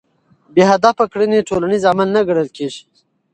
بې هدفه کړنې ټولنیز عمل نه ګڼل کېږي.